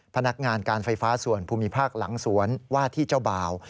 พนักงานการไฟฟ้าส่วนภูมิภาคหลังสวนว่าที่เจ้าบ่าว